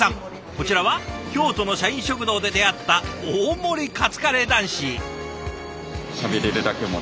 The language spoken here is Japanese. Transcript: こちらは京都の社員食堂で出会った大盛りカツカレー男子。